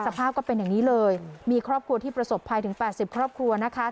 ก็เป็นอย่างนี้เลยมีครอบครัวที่ประสบภัยถึง๘๐ครอบครัวนะคะ